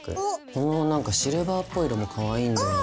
この何かシルバーっぽい色もかわいいんだよね。